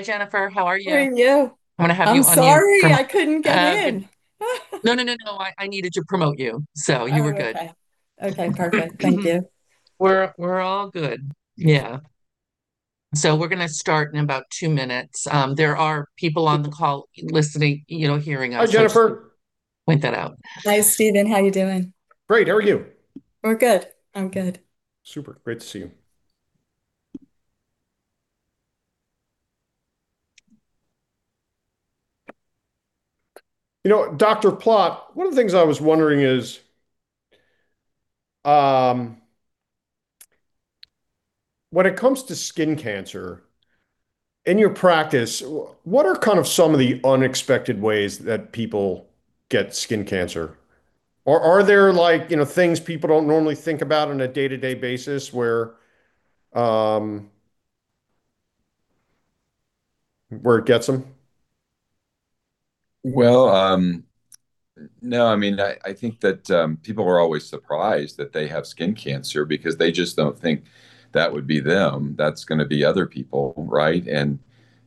Hi Jennifer, how are you? Good, and you? I'm going to have you unmute. I'm sorry, I couldn't get in. No, I needed to promote you, so you were good. Oh, okay. Okay, perfect. Thank you. We're all good. Yeah. We're going to start in about two minutes. There are people on the call listening, hearing us. Hi, Jennifer.... just to point that out. Hi, Steven. How you doing? Great. How are you? We're good. I'm good. Super. Great to see you. Dr. Plott, one of the things I was wondering is, when it comes to skin cancer, in your practice, what are some of the unexpected ways that people get skin cancer? Are there things people don't normally think about on a day-to-day basis where it gets them? Well, no, I think that people are always surprised that they have skin cancer because they just don't think that would be them. That's going to be other people, right?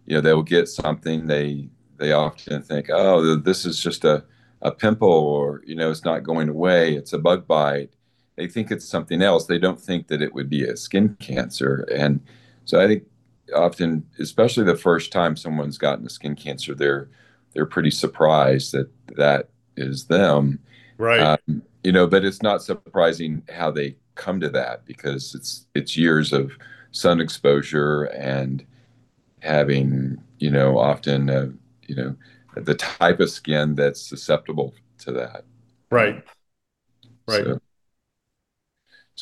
They'll get something they often think, "Oh, this is just a pimple," or, "It's not going away. It's a bug bite." They think it's something else. They don't think that it would be a skin cancer. I think often, especially the first time someone's gotten skin cancer, they're pretty surprised that that is them. Right. It's not surprising how they come to that because it's years of sun exposure and having, often, the type of skin that's susceptible to that. Right.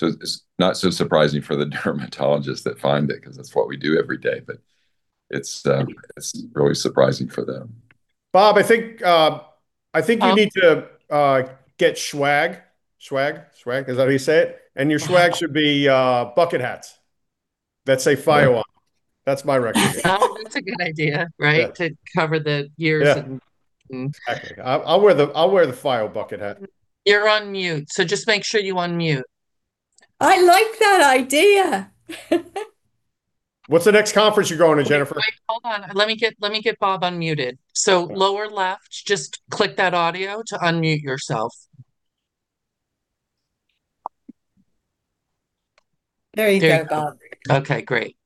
It's not so surprising for the dermatologists that find it, because that's what we do every day. It's really surprising for them. Bob, I think you need to get swag. Swag, is that how you say it? Your swag should be bucket hats that say Phio on them. That's my recommendation. That's a good idea. Right, to cover the ears? Yeah. I'll wear the Phio bucket hat. You're on mute, so just make sure you unmute. I like that idea. What's the next conference you're going to, Jennifer? Wait, hold on. Let me get Bob unmuted. Lower left, just click that audio to unmute yourself. There you go, Bob. Okay, great.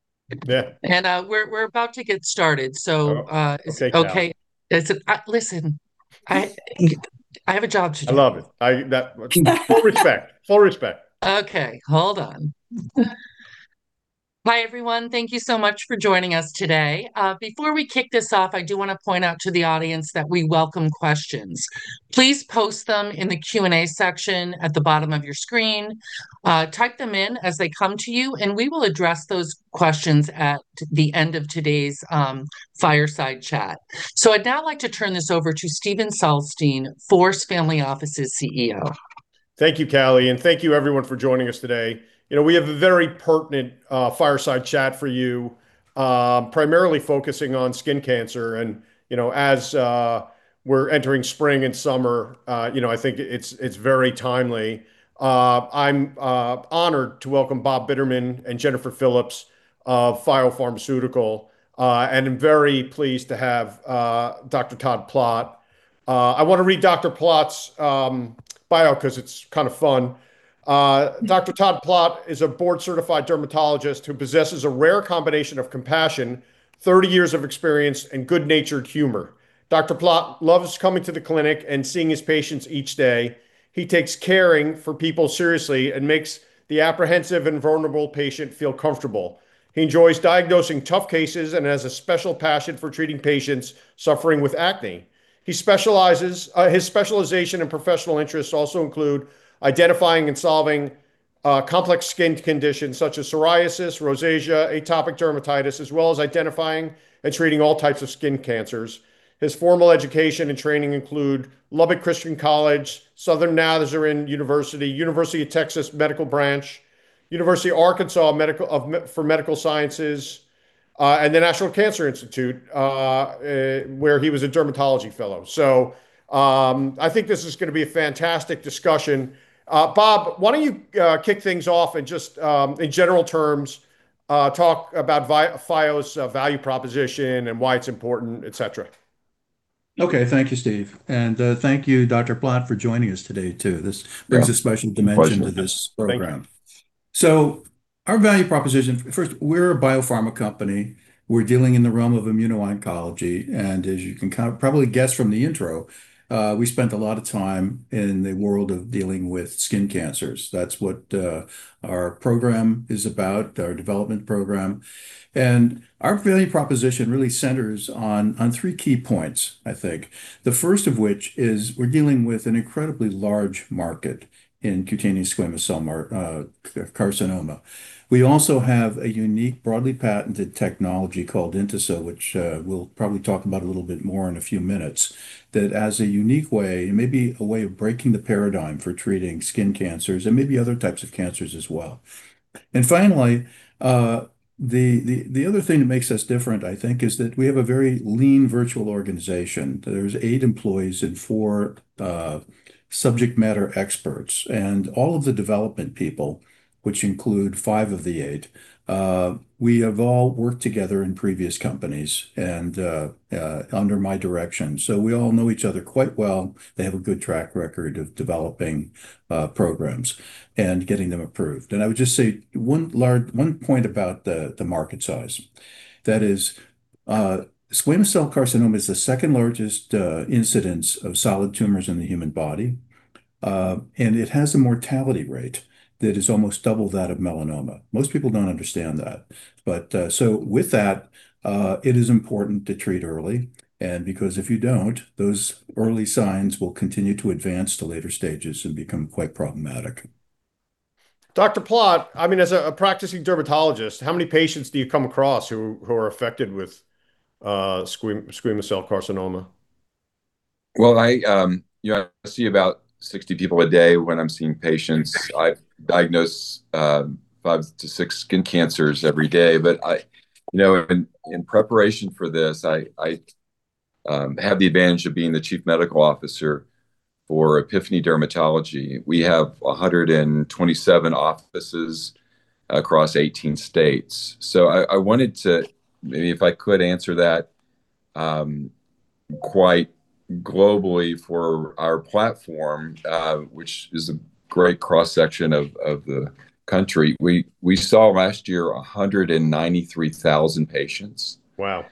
Yeah. We're about to get started. Oh, okay, Callie. Okay, listen. I have a job to do. I love it. Full respect. Full respect. Okay, hold on. Hi, everyone. Thank you so much for joining us today. Before we kick this off, I do want to point out to the audience that we welcome questions. Please post them in the Q&A section at the bottom of your screen. Type them in as they come to you, and we will address those questions at the end of today's Fireside Chat. I'd now like to turn this over to Steven Saltzstein, FORCE Family Office CEO. Thank you, Callie, and thank you everyone for joining us today. We have a very pertinent Fireside Chat for you, primarily focusing on skin cancer. As we're entering spring and summer, I think it's very timely. I'm honored to welcome Robert Bitterman and Jennifer Phillips of Phio Pharmaceuticals. I'm very pleased to have Dr. R. Todd Plott. I want to read Dr. Plott's bio because it's kind of fun. Dr. R. Todd Plott is a board-certified dermatologist who possesses a rare combination of compassion, 30 years of experience, and good-natured humor. Dr. Plott loves coming to the clinic and seeing his patients each day. He takes caring for people seriously and makes the apprehensive and vulnerable patient feel comfortable. He enjoys diagnosing tough cases and has a special passion for treating patients suffering with acne. His specialization and professional interests also include identifying and solving complex skin conditions such as psoriasis, rosacea, atopic dermatitis, as well as identifying and treating all types of skin cancers. His formal education and training include Lubbock Christian College, Southern Nazarene University of Texas Medical Branch, University of Arkansas for Medical Sciences, and the National Cancer Institute, where he was a dermatology fellow. So I think this is going to be a fantastic discussion. Bob, why don't you kick things off and just in general terms, talk about Phio's value proposition and why it's important, et cetera. Okay. Thank you, Steve. Thank you, Dr. Plott, for joining us today, too. This brings a special dimension. My pleasure. To this program. Thank you. Our value proposition, first, we're a biopharma company. We're dealing in the realm of immuno-oncology. As you can probably guess from the intro, we spent a lot of time in the world of dealing with skin cancers. That's what our program is about, our development program. Our value proposition really centers on three key points, I think. The first of which is we're dealing with an incredibly large market in cutaneous squamous cell carcinoma. We also have a unique, broadly patented technology called INTASYL, which we'll probably talk about a little bit more in a few minutes. That as a unique way, it may be a way of breaking the paradigm for treating skin cancers and maybe other types of cancers as well. Finally, the other thing that makes us different, I think, is that we have a very lean virtual organization. There's eight employees and four subject matter experts, and all of the development people, which include five of the eight, we have all worked together in previous companies and under my direction. We all know each other quite well. They have a good track record of developing programs and getting them approved. I would just say one point about the market size. That is, squamous cell carcinoma is the second largest incidence of solid tumors in the human body, and it has a mortality rate that is almost double that of melanoma. Most people don't understand that. With that, it is important to treat early, and because if you don't, those early signs will continue to advance to later stages and become quite problematic. Dr. Plott, as a practicing dermatologist, how many patients do you come across who are affected with squamous cell carcinoma? Well, I see about 60 people a day when I'm seeing patients. I diagnose five to six skin cancers every day. In preparation for this, I have the advantage of being the Chief Medical Officer for Epiphany Dermatology. We have 127 offices across 18 states. I wanted to, maybe if I could, answer that quite globally for our platform, which is a great cross-section of the country. We saw last year 193,000 patients. Wow.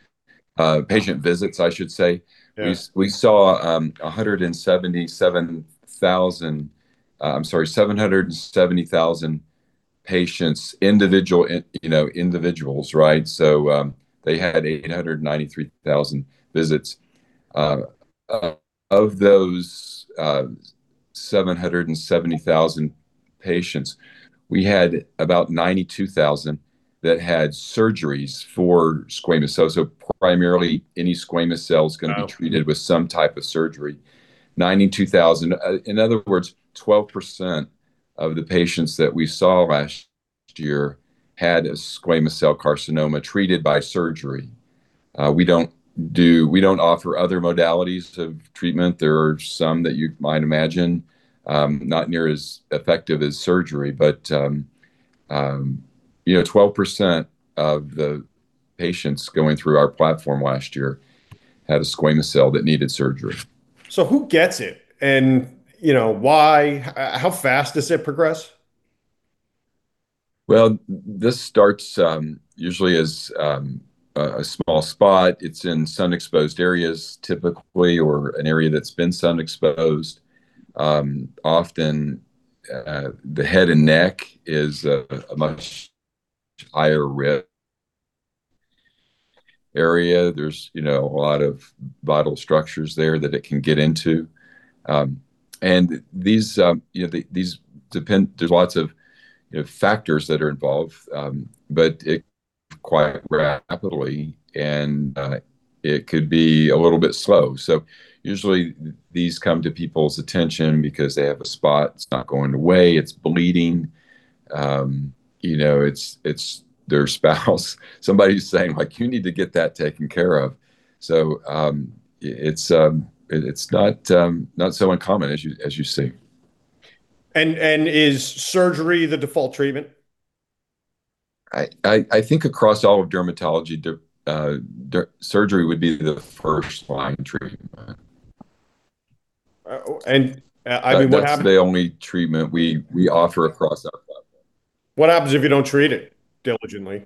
Patient visits, I should say. Yeah. We saw 770,000 patients, individuals. They had 893,000 visits. Of those 770,000 patients, we had about 92,000 that had surgeries for squamous cell. Primarily, any squamous cell is going to be. Wow Treated with some type of surgery, 92,000. In other words, 12% of the patients that we saw last year had a squamous cell carcinoma treated by surgery. We don't offer other modalities of treatment. There are some that you might imagine, not near as effective as surgery, but 12% of the patients going through our platform last year had a squamous cell that needed surgery. Who gets it, and how fast does it progress? Well, this starts usually as a small spot. It's in sun-exposed areas typically, or an area that's been sun-exposed. Often, the head and neck is a much higher risk area. There's a lot of vital structures there that it can get into. There's lots of factors that are involved, but it quite rapidly, and it could be a little bit slow. Usually these come to people's attention because they have a spot that's not going away, it's bleeding, it's their spouse. Somebody's saying, "You need to get that taken care of." It's not so uncommon, as you see. Is surgery the default treatment? I think across all of dermatology, surgery would be the first line treatment. What happens? That's the only treatment we offer across our platform. What happens if you don't treat it diligently?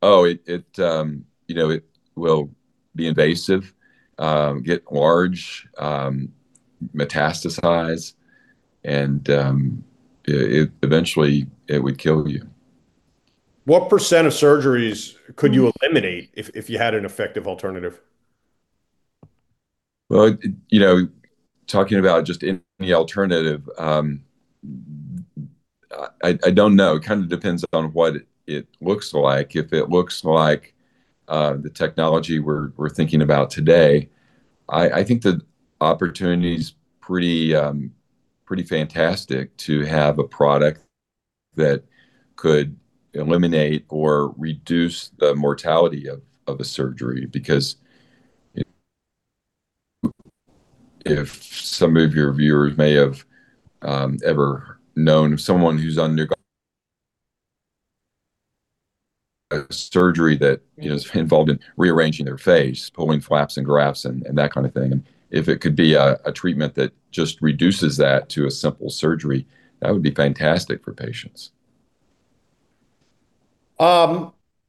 Oh, it will be invasive, get large, metastasize, and eventually it would kill you. What % of surgeries could you eliminate if you had an effective alternative? Well, talking about just any alternative, I don't know. It kind of depends upon what it looks like. If it looks like the technology we're thinking about today, I think the opportunity's pretty fantastic to have a product that could eliminate or reduce the mortality of a surgery, because if some of your viewers may have ever known someone who's undergone a surgery that is involved in rearranging their face, pulling flaps and grafts and that kind of thing, and if it could be a treatment that just reduces that to a simple surgery, that would be fantastic for patients.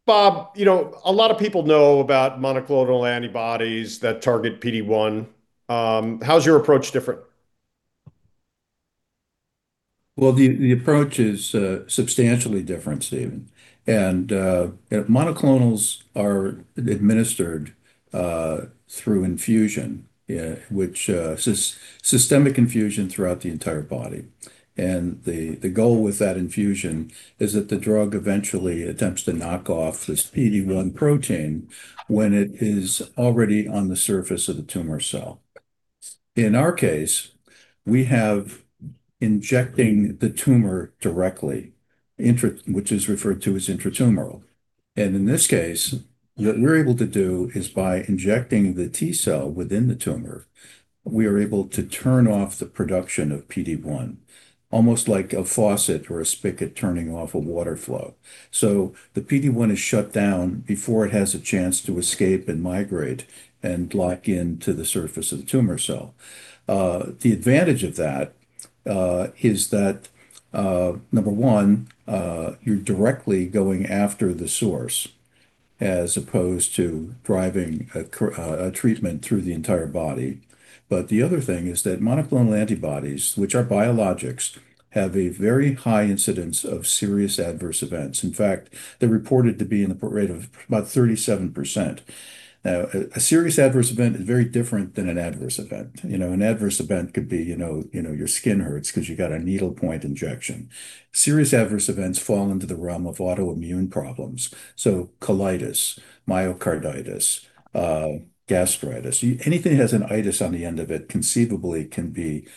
Bob, a lot of people know about monoclonal antibodies that target PD-1. How's your approach different? Well, the approach is substantially different, Steven. Monoclonals are administered through infusion, systemic infusion throughout the entire body. The goal with that infusion is that the drug eventually attempts to knock off this PD-1 protein when it is already on the surface of the tumor cell. In our case, we are injecting the tumor directly, which is referred to as intratumoral. In this case, what we're able to do is, by injecting the T cell within the tumor, we are able to turn off the production of PD-1, almost like a faucet or a spigot turning off a water flow. The PD-1 is shut down before it has a chance to escape and migrate and lock into the surface of the tumor cell. The advantage of that is that, number one, you're directly going after the source as opposed to driving a treatment through the entire body. The other thing is that monoclonal antibodies, which are biologics, have a very high incidence of serious adverse events. In fact, they're reported to be in the rate of about 37%. Now, a serious adverse event is very different than an adverse event. An adverse event could be your skin hurts because you got a needle point injection. Serious adverse events fall into the realm of autoimmune problems, colitis, myocarditis, gastritis. Anything that has an “-itis” on the end of it conceivably can be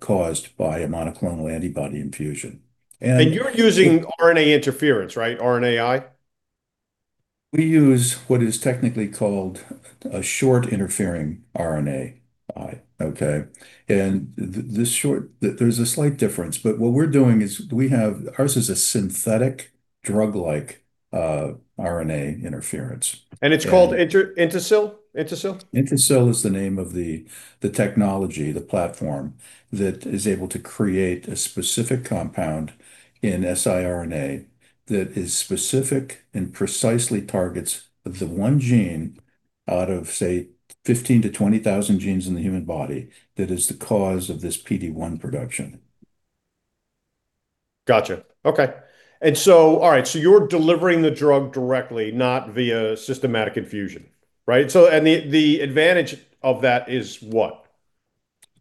caused by a monoclonal antibody infusion. You're using RNA interference, right? RNAi? We use what is technically called a short interfering RNAi. Okay. There's a slight difference, but what we're doing is ours is a synthetic drug-like RNA interference. It's called INTASYL? INTASYL is the name of the technology platform, that is able to create a specific compound in siRNA that is specific and precisely targets the one gene out of, say, 15,000-20,000 genes in the human body that is the cause of this PD-1 production. Got you. Okay. All right. You're delivering the drug directly, not via systemic infusion, right? The advantage of that is what?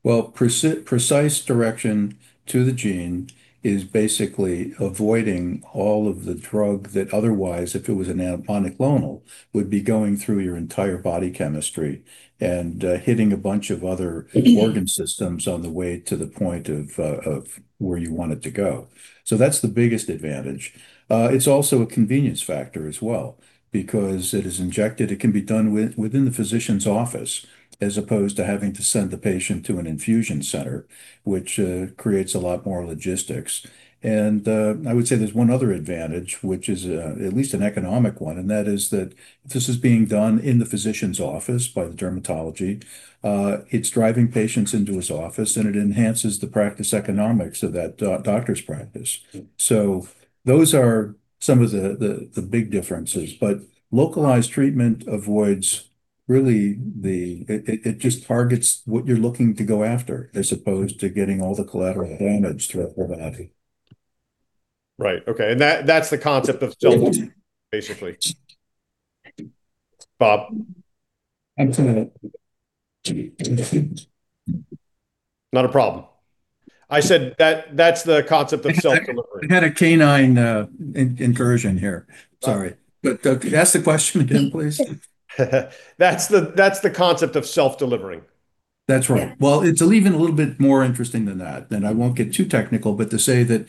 Well, precise direction to the gene is basically avoiding all of the drug that otherwise, if it was a monoclonal, would be going through your entire body chemistry and hitting a bunch of other organ systems on the way to the point of where you want it to go. That's the biggest advantage. It's also a convenience factor as well, because it is injected, it can be done within the physician's office, as opposed to having to send the patient to an infusion center, which creates a lot more logistics. I would say there's one other advantage, which is at least an economic one, and that is that this is being done in the physician's office by the dermatologist. It's driving patients into his office, and it enhances the practice economics of that doctor's practice. Those are some of the big differences. It just targets what you're looking to go after as opposed to getting all the collateral damage throughout the body. Right. Okay. That's the concept of self basically. Bob? Not a problem. I said that's the concept of self-delivery. We had a canine incursion here, sorry. Could you ask the question again, please? That's the concept of self-delivering. That's right. Yeah. Well, it's even a little bit more interesting than that, and I won't get too technical, but to say that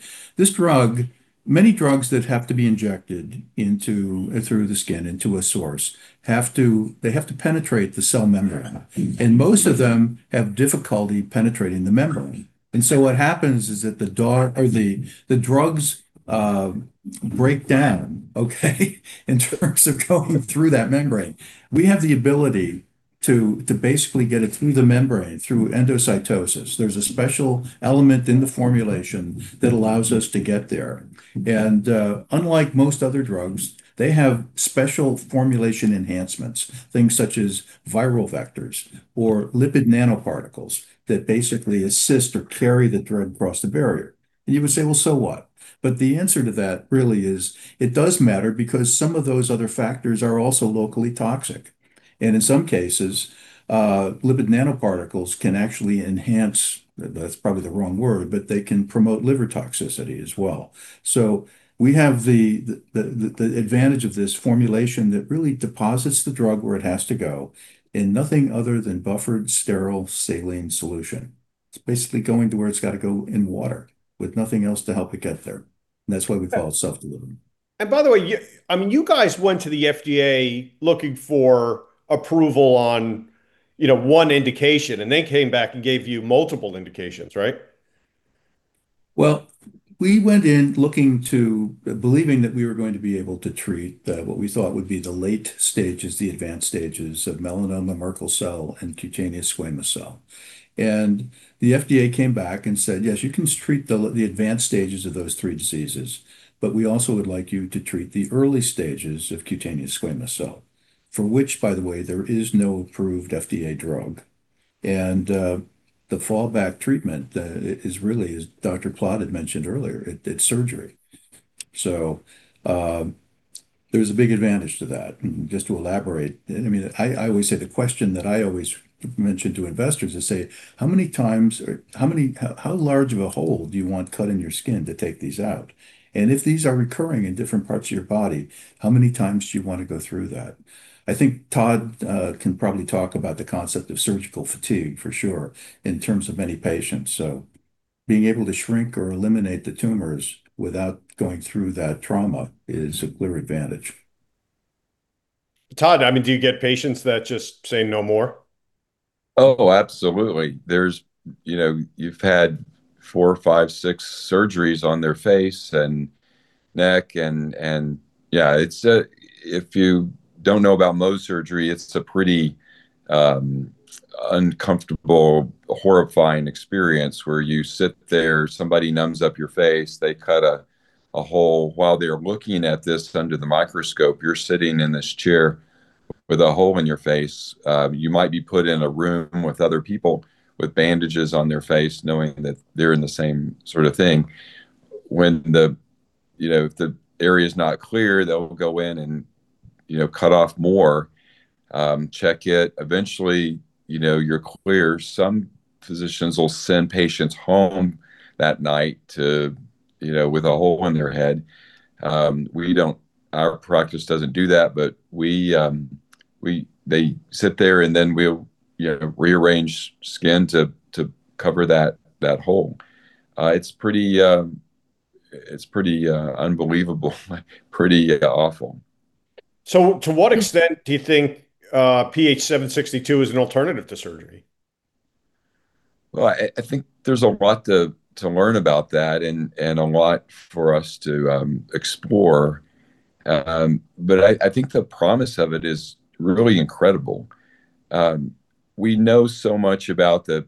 many drugs that have to be injected through the skin into a source, they have to penetrate the cell membrane, and most of them have difficulty penetrating the membrane. What happens is that the drugs break down, okay, in terms of going through that membrane. We have the ability to basically get it through the membrane, through endocytosis. There's a special element in the formulation that allows us to get there. Unlike most other drugs, they have special formulation enhancements, things such as viral vectors or lipid nanoparticles that basically assist or carry the drug across the barrier. You would say, "Well, so what?" The answer to that really is, it does matter because some of those other factors are also locally toxic. In some cases, lipid nanoparticles can actually enhance, that's probably the wrong word, but they can promote liver toxicity as well. We have the advantage of this formulation that really deposits the drug where it has to go in nothing other than buffered sterile saline solution. It's basically going to where it's got to go in water with nothing else to help it get there. That's why we call it self-delivery. By the way, you guys went to the FDA looking for approval on one indication, and they came back and gave you multiple indications, right? Well, we went in believing that we were going to be able to treat what we thought would be the late stages, the advanced stages of melanoma, Merkel cell, and cutaneous squamous cell. The FDA came back and said, "Yes, you can treat the advanced stages of those three diseases, but we also would like you to treat the early stages of cutaneous squamous cell," for which, by the way, there is no approved FDA drug. The fallback treatment is really, as Dr. Plott had mentioned earlier, it's surgery. There's a big advantage to that. Just to elaborate, I always say the question that I always mention to investors is, say, "How large of a hole do you want cut in your skin to take these out? If these are recurring in different parts of your body, how many times do you want to go through that?" I think Todd can probably talk about the concept of surgical fatigue for sure in terms of many patients. Being able to shrink or eliminate the tumors without going through that trauma is a clear advantage. Todd, do you get patients that just say no more? Oh, absolutely. You've had four, five, six surgeries on their face and neck. If you don't know about Mohs surgery, it's a pretty uncomfortable, horrifying experience where you sit there, somebody numbs up your face, they cut a hole. While they're looking at this under the microscope, you're sitting in this chair with a hole in your face. You might be put in a room with other people with bandages on their face, knowing that they're in the same sort of thing. When the area's not clear, they'll go in and cut off more, check it. Eventually, you're clear. Some physicians will send patients home that night with a hole in their head. Our practice doesn't do that, but they sit there, and then we'll rearrange skin to cover that hole. It's pretty unbelievable, pretty awful. To what extent do you think PH-762 is an alternative to surgery? Well, I think there's a lot to learn about that and a lot for us to explore. I think the promise of it is really incredible. We know so much about the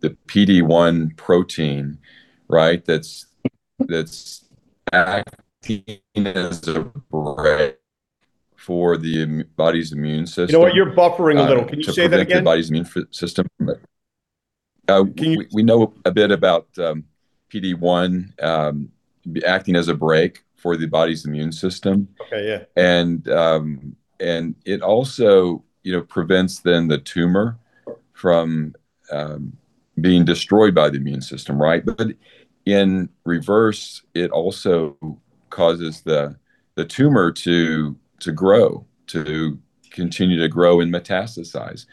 PD-1 protein, right? That's acting as a brake for the body's immune system. You know what? You're buffering a little. Can you say that again? To prevent the body's immune system. Can you? We know a bit about PD-1 acting as a brake for the body's immune system. Okay, yeah. It also prevents then the tumor from being destroyed by the immune system, right? In reverse, it also causes the tumor to grow, to continue to grow and metastasize.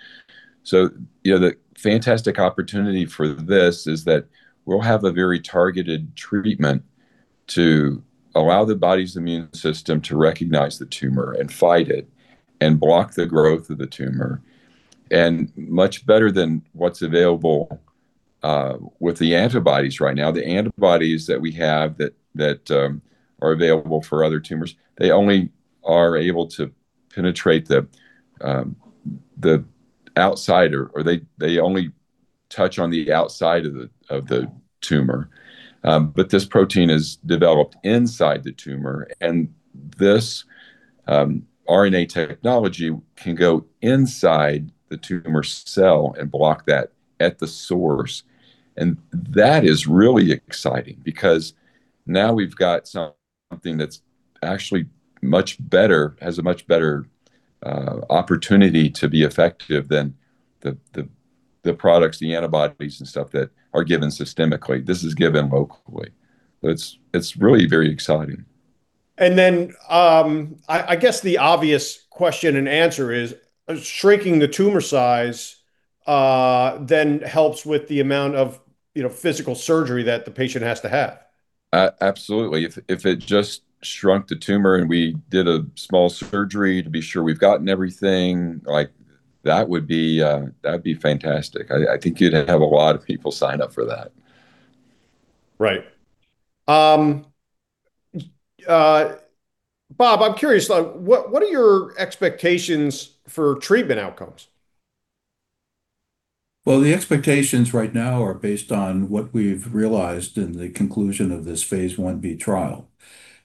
The fantastic opportunity for this is that we'll have a very targeted treatment to allow the body's immune system to recognize the tumor and fight it, and block the growth of the tumor, much better than what's available with the antibodies right now. The antibodies that we have that are available for other tumors, they only are able to penetrate the outside, or they only touch on the outside of the tumor. This protein is developed inside the tumor, and this RNA technology can go inside the tumor cell and block that at the source. That is really exciting, because now we've got something that's actually much better, has a much better opportunity to be effective than the products, the antibodies, and stuff that are given systemically. This is given locally. It's really very exciting. I guess the obvious question and answer is, shrinking the tumor size then helps with the amount of physical surgery that the patient has to have. Absolutely. If it just shrunk the tumor and we did a small surgery to be sure we've gotten everything, that would be fantastic. I think you'd have a lot of people sign up for that. Right. Bob, I'm curious, what are your expectations for treatment outcomes? Well, the expectations right now are based on what we've realized in the conclusion of this Phase I-B trial,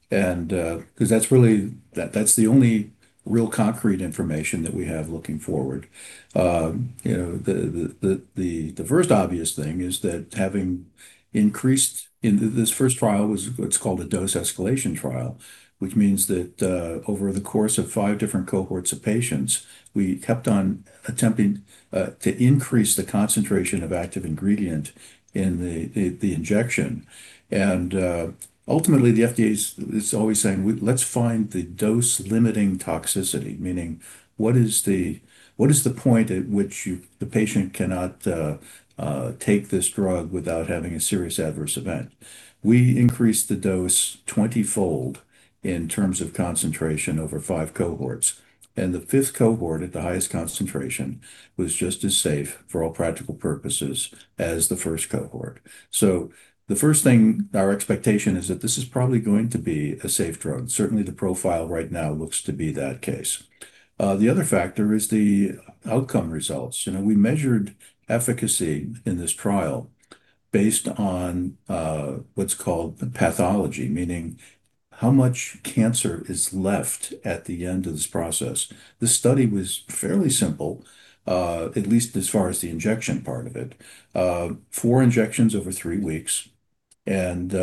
because that's the only real concrete information that we have looking forward. This first trial was what's called a dose escalation trial, which means that over the course of five different cohorts of patients, we kept on attempting to increase the concentration of active ingredient in the injection. Ultimately, the FDA is always saying, "Let's find the dose-limiting toxicity," meaning, what is the point at which the patient cannot take this drug without having a serious adverse event? We increased the dose 20-fold in terms of concentration over five cohorts, and the fifth cohort at the highest concentration was just as safe, for all practical purposes, as the first cohort. The first thing, our expectation is that this is probably going to be a safe drug. Certainly, the profile right now looks to be that case. The other factor is the outcome results. We measured efficacy in this trial based on what's called the pathology, meaning how much cancer is left at the end of this process. This study was fairly simple, at least as far as the injection part of it. Four injections over three weeks, and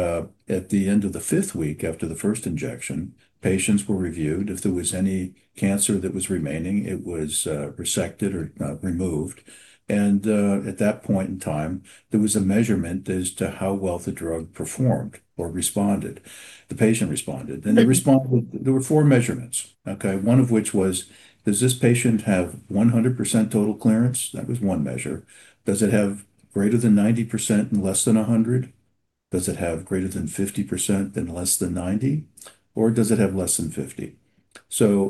at the end of the fifth week after the first injection, patients were reviewed. If there was any cancer that was remaining, it was resected or removed. At that point in time, there was a measurement as to how well the drug performed or responded. The patient responded. There were four measurements, okay? One of which was, does this patient have 100% total clearance? That was one measure. Does it have greater than 90% and less than 100%? Does it have greater than 50% and less than 90%, or does it have less than 50%?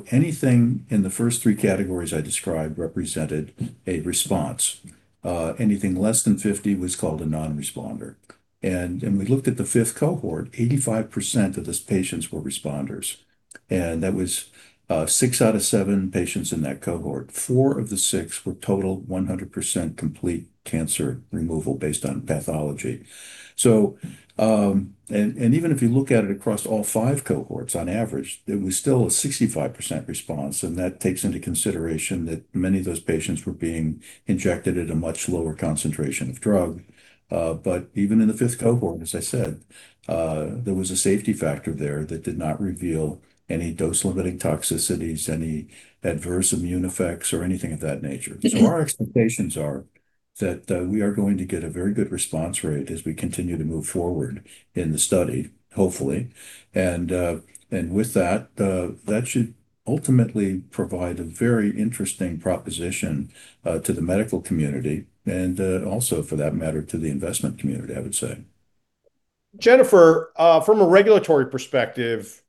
Anything in the first three categories I described represented a response. Anything less than 50% was called a non-responder. We looked at the fifth cohort, 85% of those patients were responders. That was six out of seven patients in that cohort. Four of the six were total 100% complete cancer removal based on pathology. Even if you look at it across all five cohorts, on average, it was still a 65% response, and that takes into consideration that many of those patients were being injected at a much lower concentration of drug. Even in the fifth cohort, as I said, there was a safety factor there that did not reveal any dose-limiting toxicities, any adverse immune effects, or anything of that nature. Our expectations are that we are going to get a very good response rate as we continue to move forward in the study, hopefully. With that should ultimately provide a very interesting proposition to the medical community and, also for that matter, to the investment community, I would say. Jennifer, from a regulatory perspective,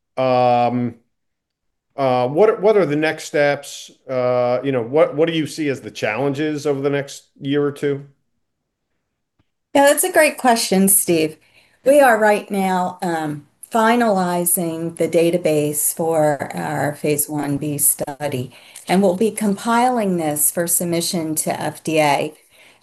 what are the next steps? What do you see as the challenges over the next year or two? Yeah, that's a great question, Steve. We are right now finalizing the database for our Phase I-B study, and we'll be compiling this for submission to FDA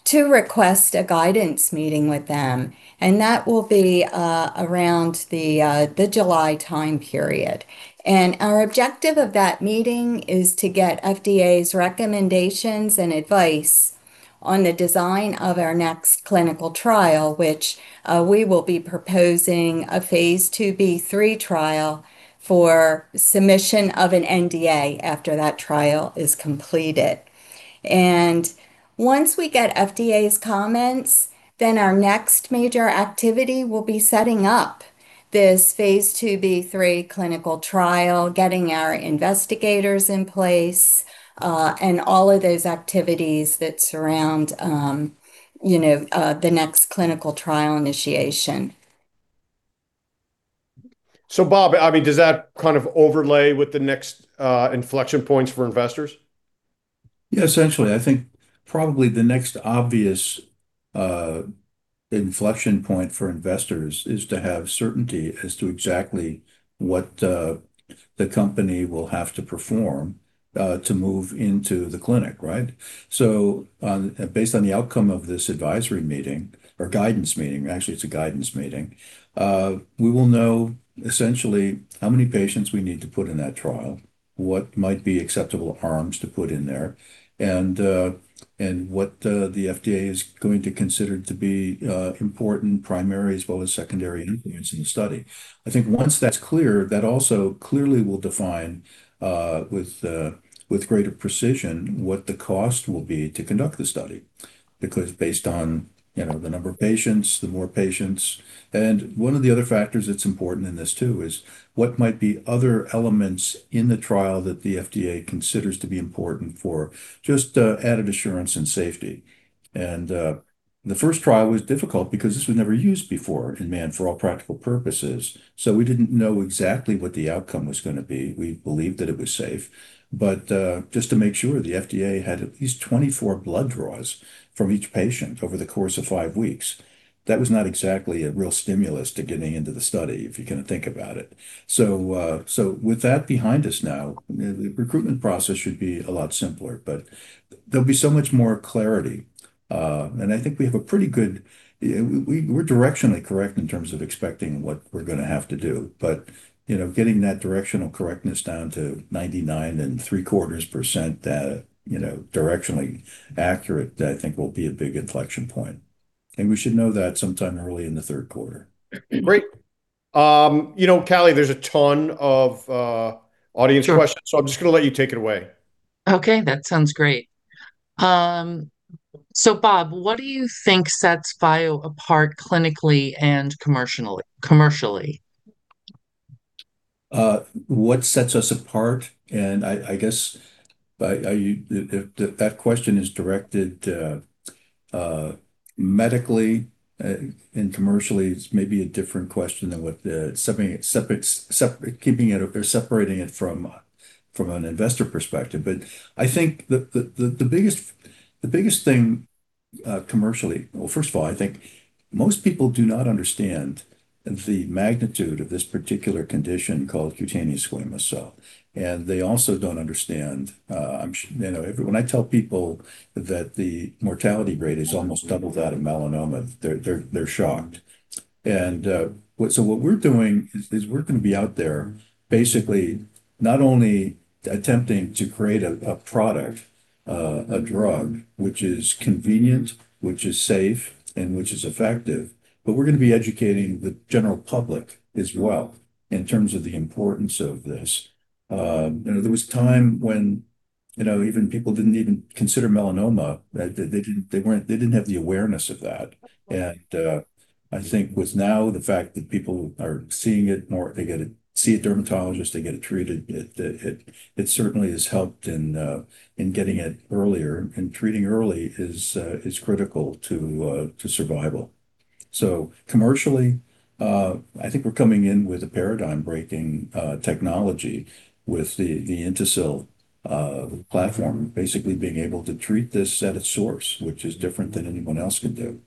to request a guidance meeting with them, and that will be around the July time period. Our objective of that meeting is to get FDA's recommendations and advice on the design of our next clinical trial, which we will be proposing a Phase II-B/Phase III trial for submission of an NDA after that trial is completed. Once we get FDA's comments, then our next major activity will be setting up this Phase II-B/Phase III clinical trial, getting our investigators in place, and all of those activities that surround the next clinical trial initiation. Bob, does that kind of overlay with the next inflection points for investors? Yeah, essentially. I think probably the next obvious inflection point for investors is to have certainty as to exactly what the company will have to perform to move into the clinic, right? So based on the outcome of this advisory meeting or guidance meeting, actually, it's a guidance meeting, we will know essentially how many patients we need to put in that trial, what might be acceptable arms to put in there, and what the FDA is going to consider to be important primary as well as secondary endpoints in the study. I think once that's clear, that also clearly will define, with greater precision, what the cost will be to conduct the study. Because based on the number of patients, the more patients. One of the other factors that's important in this too is what might be other elements in the trial that the FDA considers to be important for just added assurance and safety. The first trial was difficult because this was never used before in man, for all practical purposes. We didn't know exactly what the outcome was going to be. We believed that it was safe. Just to make sure, the FDA had at least 24 blood draws from each patient over the course of five weeks. That was not exactly a real stimulus to getting into the study, if you're going to think about it. With that behind us now, the recruitment process should be a lot simpler. There'll be so much more clarity. We're directionally correct in terms of expecting what we're going to have to do. Getting that directional correctness down to 99.75%, directionally accurate, I think will be a big inflection point. We should know that sometime early in the Q3. Great. Callie, there's a ton of audience questions. Sure. I'm just going to let you take it away. Okay, that sounds great. Bob, what do you think sets Phio apart clinically and commercially? What sets us apart? I guess, if that question is directed medically and commercially, it's maybe a different question than separating it from an investor perspective. I think the biggest thing, commercially, well, first of all, I think most people do not understand the magnitude of this particular condition called cutaneous squamous cell. They also don't understand, when I tell people that the mortality rate is almost double that of melanoma, they're shocked. What we're doing is we're going to be out there basically not only attempting to create a product, a drug, which is convenient, which is safe, and which is effective, but we're going to be educating the general public as well in terms of the importance of this. There was a time when even people didn't even consider melanoma, they didn't have the awareness of that.I think with now the fact that people are seeing it more, they see a dermatologist, they get it treated. It certainly has helped in getting it earlier. Treating early is critical to survival. Commercially, I think we're coming in with a paradigm-breaking technology with the INTASYL platform, basically being able to treat this at its source, which is different than anyone else can do.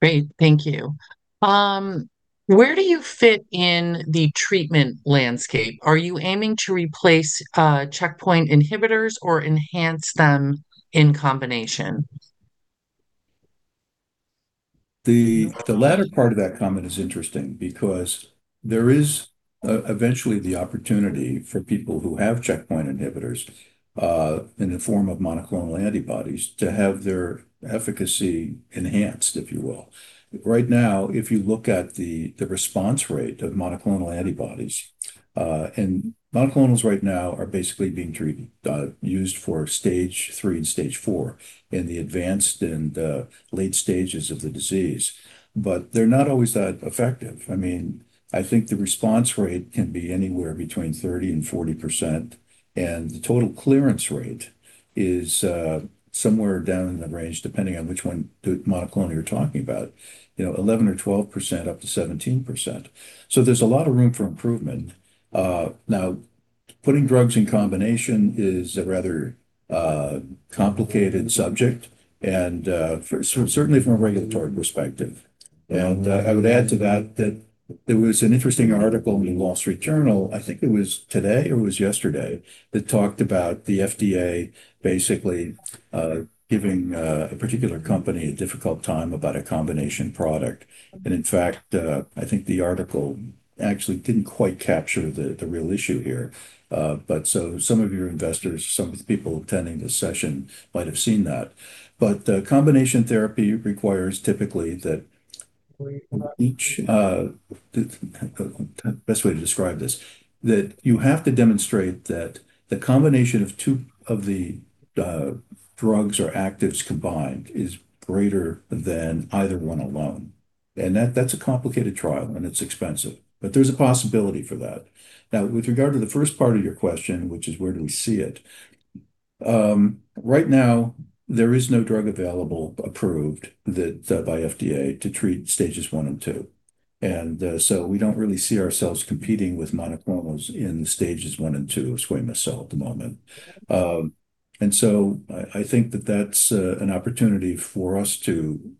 Great. Thank you. Where do you fit in the treatment landscape? Are you aiming to replace checkpoint inhibitors or enhance them in combination? The latter part of that comment is interesting because there is eventually the opportunity for people who have checkpoint inhibitors, in the form of monoclonal antibodies, to have their efficacy enhanced, if you will. Right now, if you look at the response rate of monoclonal antibodies, and monoclonals right now are basically being used for Stage III and Stage IV in the advanced and late stages of the disease. They're not always that effective. I think the response rate can be anywhere between 30% and 40%, and the total clearance rate is somewhere down in the range, depending on which one, the monoclonal you're talking about, 11% or 12%, up to 17%. There's a lot of room for improvement. Now, putting drugs in combination is a rather complicated subject, and certainly from a regulatory perspective. I would add to that that there was an interesting article in Wall Street Journal, I think it was today or it was yesterday, that talked about the FDA basically giving a particular company a difficult time about a combination product. In fact, I think the article actually didn't quite capture the real issue here. Some of your investors, some of the people attending this session might have seen that. Combination therapy requires typically that, the best way to describe this, you have to demonstrate that the combination of two of the drugs or actives combined is greater than either one alone. That's a complicated trial, and it's expensive, but there's a possibility for that. Now, with regard to the first part of your question, which is where do we see it? Right now, there is no drug available approved by FDA to treat Stage I and Stage II. We don't really see ourselves competing with monoclonals in Stage I and Stage II squamous cell at the moment. I think that that's an opportunity for us to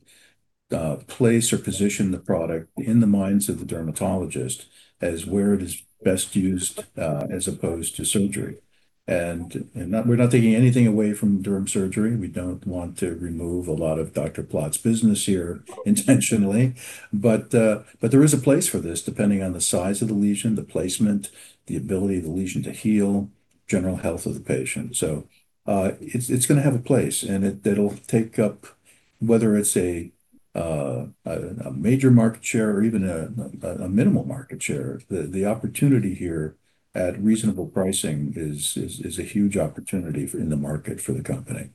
place or position the product in the minds of the dermatologist as where it is best used, as opposed to surgery. We're not taking anything away from derm surgery. We don't want to remove a lot of Dr. Plott's business here intentionally. There is a place for this, depending on the size of the lesion, the placement, the ability of the lesion to heal, general health of the patient. It's going to have a place, and it'll take up, whether it's a major market share or even a minimal market share. The opportunity here at reasonable pricing is a huge opportunity in the market for the company.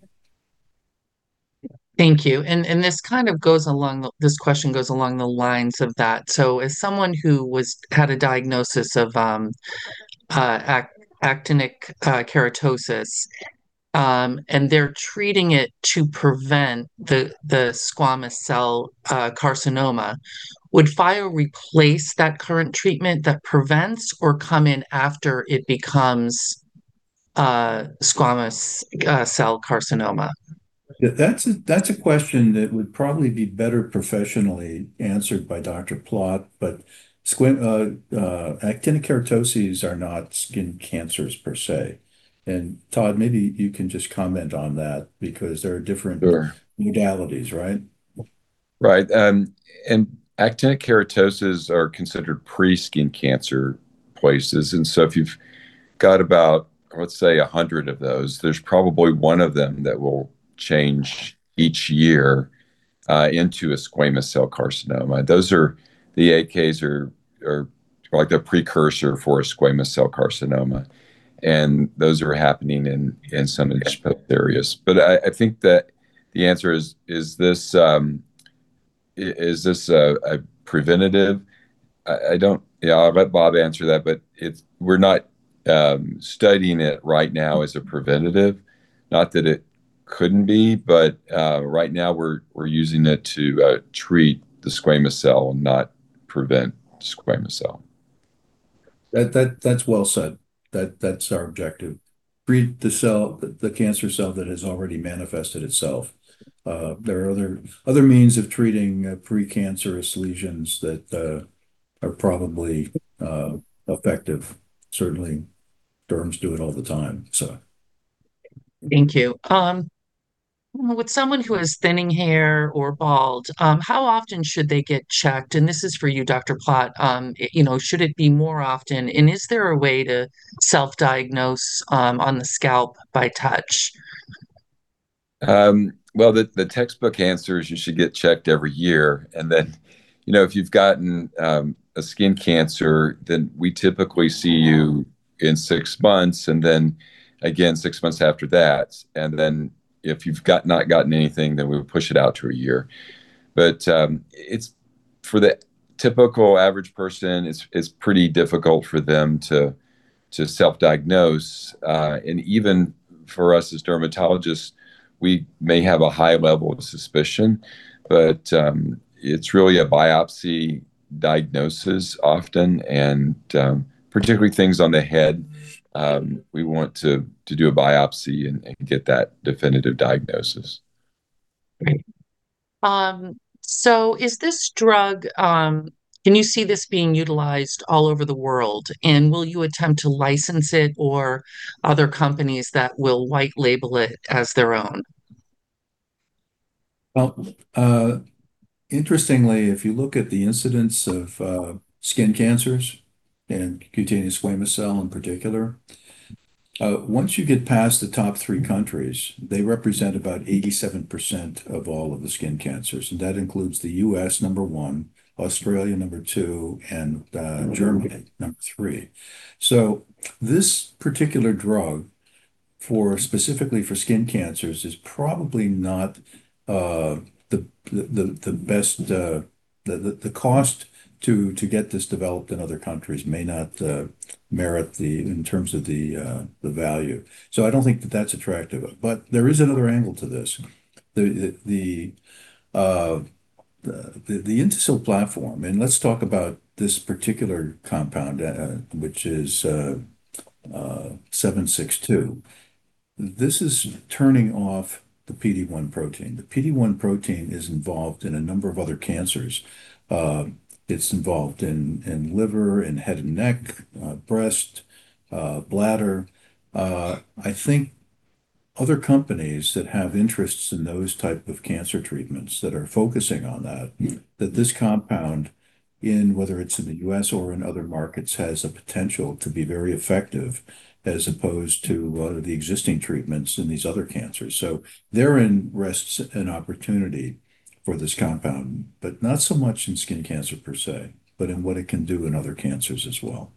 Thank you. This question goes along the lines of that. As someone who had a diagnosis of actinic keratosis, and they're treating it to prevent the squamous cell carcinoma, would Phio replace that current treatment that prevents or come in after it becomes squamous cell carcinoma? That's a question that would probably be better professionally answered by Dr. Plott. Actinic keratosis are not skin cancers per se. Todd, maybe you can just comment on that. Sure Modalities, right? Right. Actinic keratosis are considered pre-skin cancer places. If you've got about, let's say, 100 of those, there's probably one of them that will change each year into a squamous cell carcinoma. The AKs are like the precursor for a squamous cell carcinoma, and those are happening in some exposed areas. I think that the answer is this a preventative? I'll let Bob answer that, but we're not studying it right now as a preventative. Not that it couldn't be, but right now we're using it to treat the squamous cell, not prevent squamous cell. That's well said. That's our objective. Treat the cancer cell that has already manifested itself. There are other means of treating precancerous lesions that are probably effective. Certainly, derms do it all the time. Thank you. With someone who has thinning hair or bald, how often should they get checked? This is for you, Dr. Plott. Should it be more often? Is there a way to self-diagnose on the scalp by touch? Well, the textbook answer is you should get checked every year. If you've gotten a skin cancer, then we typically see you in six months, and then again six months after that. If you've not gotten anything, then we'll push it out to a year. For the typical average person, it's pretty difficult for them to self-diagnose, and even for us as dermatologists, we may have a high level of suspicion, but it's really a biopsy diagnosis often, and particularly things on the head, we want to do a biopsy and get that definitive diagnosis. Great. Can you see this being utilized all over the world? Will you attempt to license it or other companies that will white label it as their own? Well, interestingly, if you look at the incidence of skin cancers, and cutaneous squamous cell in particular, once you get past the top three countries, they represent about 87% of all of the skin cancers, and that includes the U.S., number one, Australia, number two, and Germany, number three. This particular drug, specifically for skin cancers, is probably not the best. The cost to get this developed in other countries may not merit in terms of the value. I don't think that that's attractive, but there is another angle to this. The INTASYL platform, and let's talk about this particular compound, which is PH-762. This is turning off the PD-1 protein. The PD-1 protein is involved in a number of other cancers. It's involved in liver, in head and neck, breast, bladder. I think other companies that have interests in those type of cancer treatments that are focusing on that this compound, whether it's in the U.S. or in other markets, has a potential to be very effective as opposed to a lot of the existing treatments in these other cancers. Therein rests an opportunity for this compound, but not so much in skin cancer per se, but in what it can do in other cancers as well.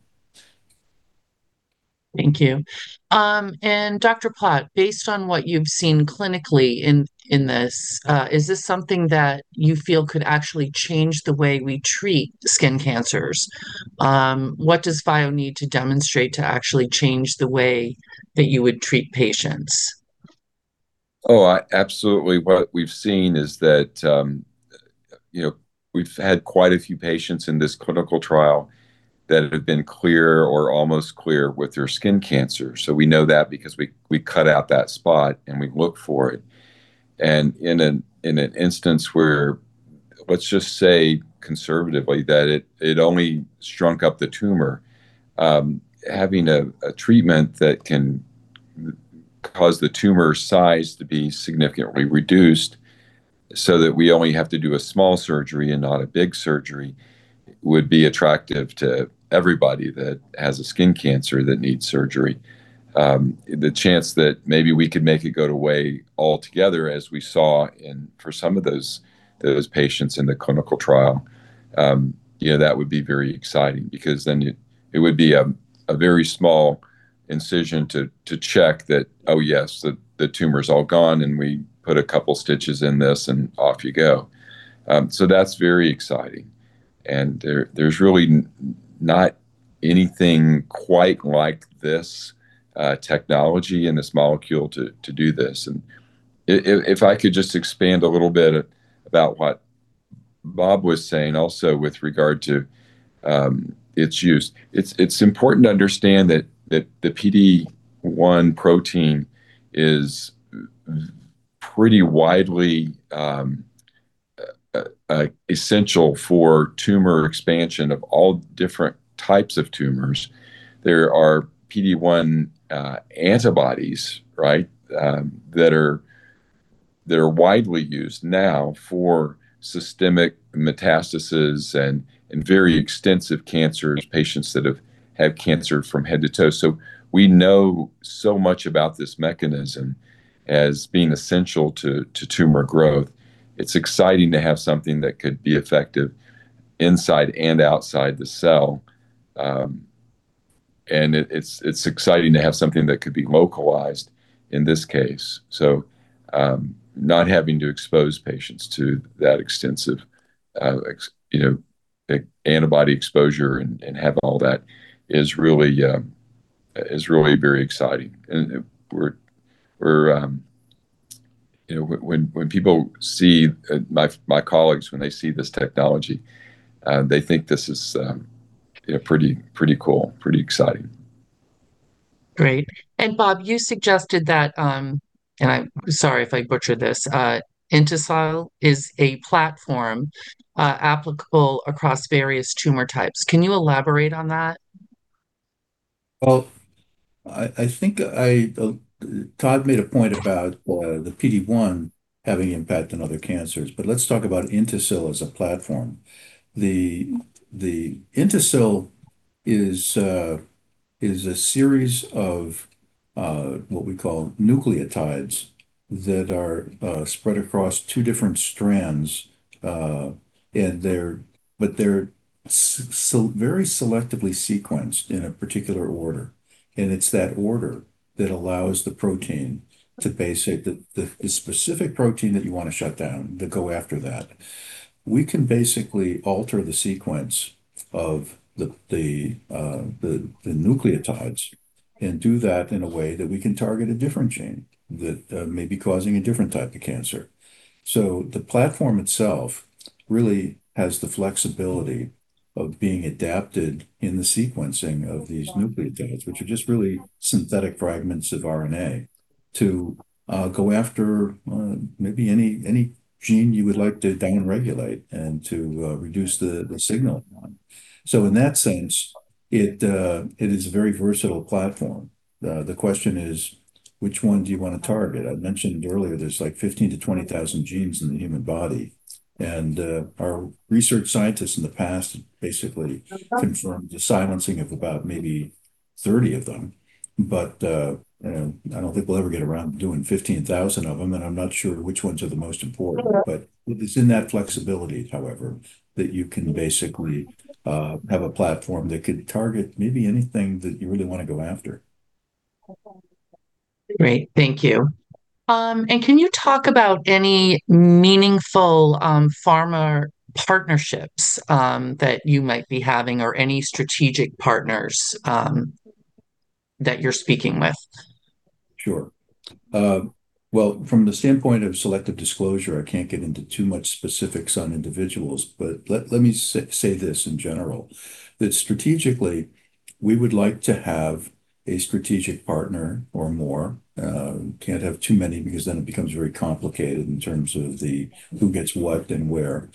Thank you. Dr. Plott, based on what you've seen clinically in this, is this something that you feel could actually change the way we treat skin cancers? What does Phio need to demonstrate to actually change the way that you would treat patients? Oh, absolutely. What we've seen is that we've had quite a few patients in this clinical trial that have been clear or almost clear with their skin cancer. We know that because we cut out that spot, and we look for it. In an instance where, let's just say conservatively, that it only shrunk up the tumor, having a treatment that can cause the tumor size to be significantly reduced so that we only have to do a small surgery and not a big surgery, would be attractive to everybody that has a skin cancer that needs surgery. The chance that maybe we could make it go away altogether, as we saw for some of those patients in the clinical trial, that would be very exciting because then it would be a very small incision to check that, oh yes, the tumor's all gone, and we put a couple stitches in this, and off you go. That's very exciting. There's really not anything quite like this technology and this molecule to do this. If I could just expand a little bit about what Bob was saying also with regard to its use, it's important to understand that the PD-1 protein is pretty widely essential for tumor expansion of all different types of tumors. There are PD-1 antibodies that are widely used now for systemic metastases and in very extensive cancer in patients that have had cancer from head to toe. We know so much about this mechanism as being essential to tumor growth. It's exciting to have something that could be effective inside and outside the cell. It's exciting to have something that could be localized in this case. Not having to expose patients to that extensive antibody exposure and have all that is really very exciting. My colleagues, when they see this technology, they think this is pretty cool, pretty exciting. Great. Bob, you suggested that, and I'm sorry if I butcher this, INTASYL is a platform applicable across various tumor types. Can you elaborate on that? Well, I think Todd made a point about the PD-1 having impact on other cancers, but let's talk about INTASYL as a platform. The INTASYL is a series of what we call nucleotides that are spread across two different strands. They're very selectively sequenced in a particular order, and it's that order that allows the protein, the specific protein that you want to shut down, to go after that. We can basically alter the sequence of the nucleotides and do that in a way that we can target a different gene that may be causing a different type of cancer. The platform itself really has the flexibility of being adapted in the sequencing of these nucleotides, which are just really synthetic fragments of RNA, to go after maybe any gene you would like to down-regulate and to reduce the signal. In that sense, it is a very versatile platform. The question is, which one do you want to target? I mentioned earlier, there's 15,000-20,000 genes in the human body. Our research scientists in the past basically confirmed the silencing of about maybe 30 of them. I don't think we'll ever get around to doing 15,000 of them, and I'm not sure which ones are the most important. It's in that flexibility, however, that you can basically have a platform that could target maybe anything that you really want to go after. Great. Thank you. Can you talk about any meaningful pharma partnerships that you might be having or any strategic partners that you're speaking with? Sure. Well, from the standpoint of selective disclosure, I can't get into too much specifics on individuals. Let me say this in general, that strategically, we would like to have a strategic partner or more. Can't have too many because then it becomes very complicated in terms of the who gets what and where.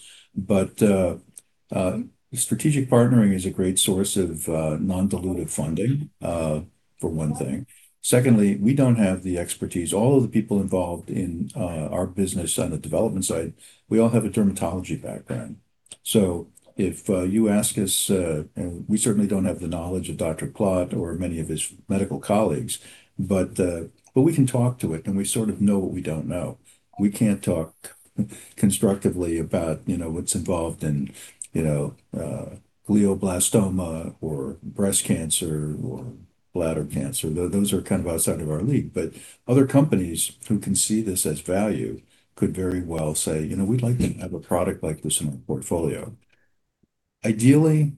Strategic partnering is a great source of non-dilutive funding, for one thing. Secondly, we don't have the expertise. All of the people involved in our business on the development side, we all have a dermatology background. If you ask us, we certainly don't have the knowledge of Dr. Plott or many of his medical colleagues. We can talk to it, and we sort of know what we don't know. We can't talk constructively about what's involved in glioblastoma or breast cancer or bladder cancer. Those are outside of our league. Other companies who can see this as value could very well say, "We'd like to have a product like this in our portfolio." Ideally,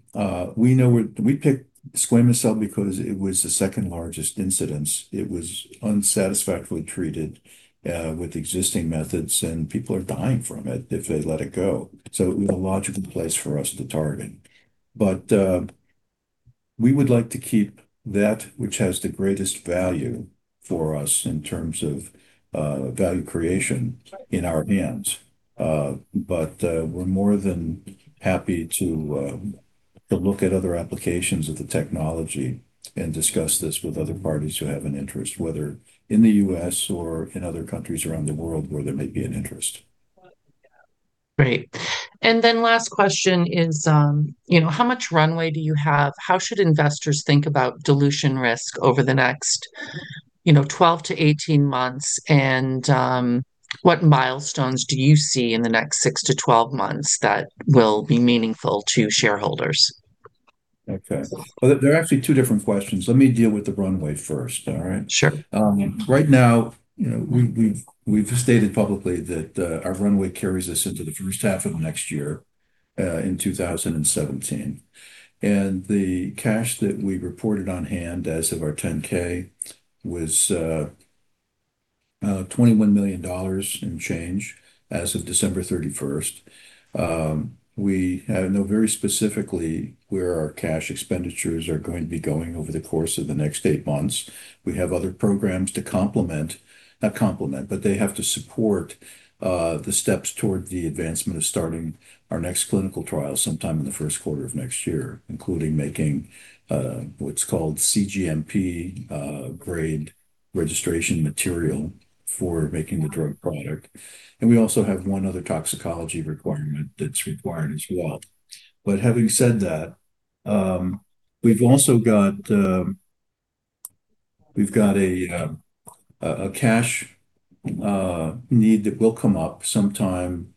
we picked squamous cell because it was the second-largest incidence. It was unsatisfactorily treated with existing methods, and people are dying from it if they let it go. It was a logical place for us to target. We would like to keep that which has the greatest value for us in terms of value creation in our hands. We're more than happy to look at other applications of the technology and discuss this with other parties who have an interest, whether in the U.S. or in other countries around the world where there may be an interest. Great. Last question is, how much runway do you have? How should investors think about dilution risk over the next 12 months to 18 months? What milestones do you see in the next six months-12 months that will be meaningful to shareholders? Okay. Well, they're actually two different questions. Let me deal with the runway first, all right? Sure. Right now, we've stated publicly that our runway carries us into the first half of next year, in 2027. The cash that we reported on hand as of our 10-K was $21 million in change as of December 31. We know very specifically where our cash expenditures are going to be going over the course of the next eight months. We have other programs to complement, not complement, but they have to support the steps toward the advancement of starting our next clinical trial sometime in the Q1 of next year, including making what's called cGMP grade registration material for making the drug product. We also have one other toxicology requirement that's required as well. Having said that, we've got a cash need that will come up sometime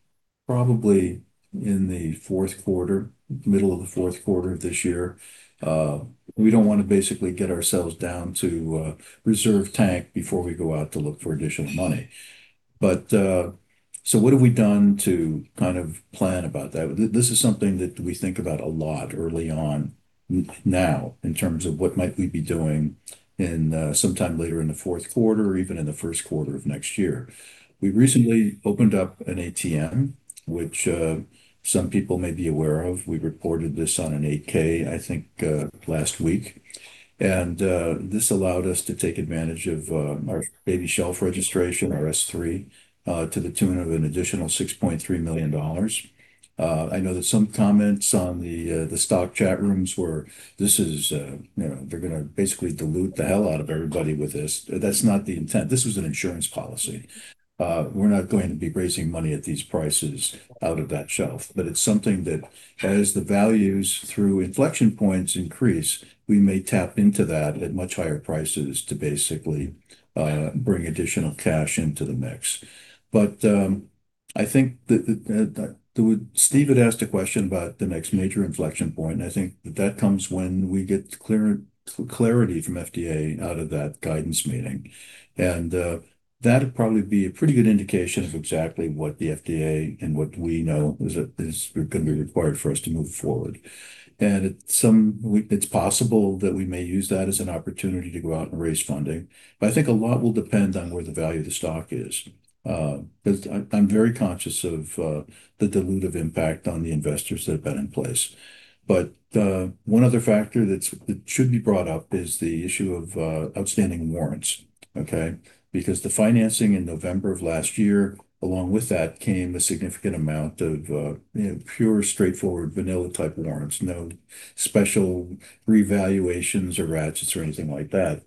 probably in the Q4, middle of the Q4 of this year. We don't want to basically get ourselves down to a reserve tank before we go out to look for additional money. What have we done to plan about that? This is something that we think about a lot early on now in terms of what might we be doing sometime later in the Q4 or even in the Q1 of next year. We recently opened up an ATM, which some people may be aware of. We reported this on an 8-K, I think, last week. This allowed us to take advantage of our baby shelf registration, our S-3, to the tune of an additional $6.3 million. I know that some comments on the stock chat rooms were, they're going to basically dilute the hell out of everybody with this. That's not the intent. This was an insurance policy. We're not going to be raising money at these prices out of that shelf, but it's something that as the values through inflection points increase, we may tap into that at much higher prices to basically bring additional cash into the mix. I think that Steve had asked a question about the next major inflection point, and I think that that comes when we get clarity from FDA out of that guidance meeting. That'd probably be a pretty good indication of exactly what the FDA and what we know is going to be required for us to move forward. It's possible that we may use that as an opportunity to go out and raise funding. I think a lot will depend on where the value of the stock is. Because I'm very conscious of the dilutive impact on the investors that have been in place. One other factor that should be brought up is the issue of outstanding warrants. Okay? Because the financing in November of last year, along with that came a significant amount of pure, straightforward, vanilla-type warrants, no special revaluations or ratchets or anything like that.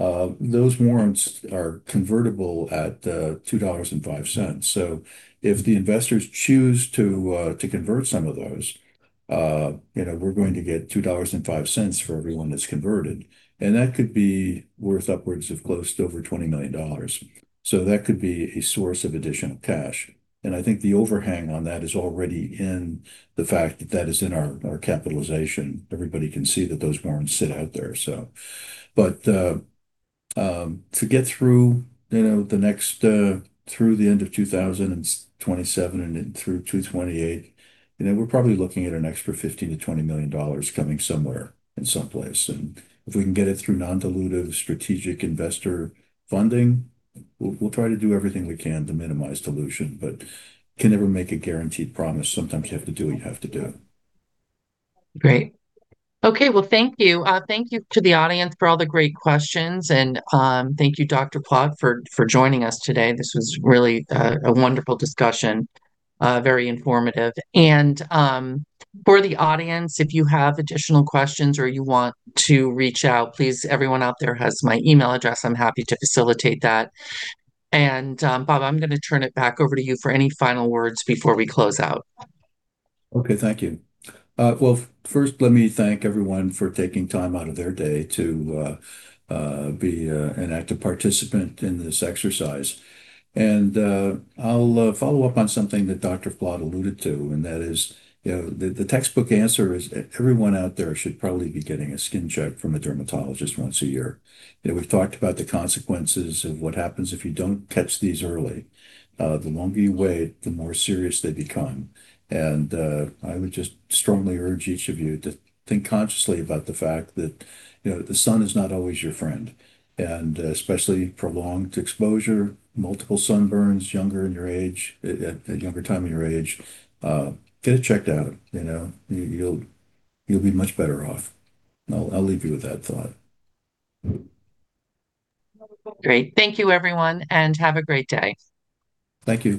Those warrants are convertible at $2.05. If the investors choose to convert some of those, we're going to get $2.05 for every one that's converted, and that could be worth upwards of close to over $20 million. That could be a source of additional cash. I think the overhang on that is already in the fact that that is in our capitalization. Everybody can see that those warrants sit out there. To get through the end of 2027 and through 2028, we're probably looking at an extra $15 million to $20 million coming somewhere in some place. If we can get it through non-dilutive strategic investor funding, we'll try to do everything we can to minimize dilution, but can never make a guaranteed promise. Sometimes you have to do what you have to do. Great. Okay, well, thank you. Thank you to the audience for all the great questions. Thank you, Dr. Plott, for joining us today. This was really a wonderful discussion, very informative. For the audience, if you have additional questions or you want to reach out, please, everyone out there has my email address. I'm happy to facilitate that. Bob, I'm going to turn it back over to you for any final words before we close out. Okay. Thank you. Well, first, let me thank everyone for taking time out of their day to be an active participant in this exercise. I'll follow up on something that Dr. Plott alluded to, and that is the textbook answer is everyone out there should probably be getting a skin check from a dermatologist once a year. We've talked about the consequences of what happens if you don't catch these early. The longer you wait, the more serious they become. I would just strongly urge each of you to think consciously about the fact that the sun is not always your friend, and especially prolonged exposure, multiple sunburns at a younger time in your age, get it checked out. You'll be much better off. I'll leave you with that thought. Great. Thank you, everyone, and have a great day. Thank you.